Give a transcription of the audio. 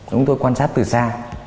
chúng tôi quan sát từ xa